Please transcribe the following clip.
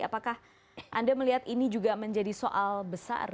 apakah anda melihat ini juga menjadi soal besar